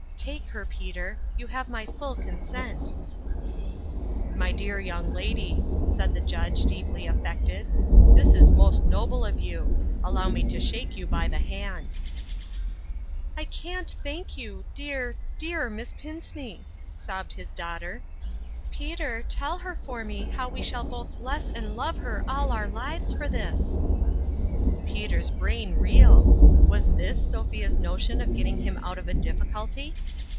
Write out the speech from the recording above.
Take her, Peter ; you have my full consent !"" My dear young lady," said the Judge, deeply affected, " this is most noble of you ! Allow me to shake you by the hand." 170 " I can't thank you, dear, dear. Miss Pin ceney!" sobbed his daughter. "Peter, tell her for me how we shall both bless and love her all our lives for this !" Peter's brain reeled. Was this Sophia's notion of getting him out of a difficulty